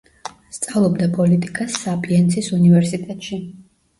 სწავლობდა პოლიტიკას საპიენცის უნივერსიტეტში.